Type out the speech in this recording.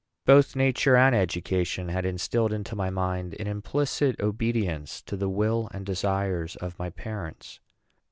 Both nature and education had instilled into my mind an implicit obedience to the will and desires of my parents.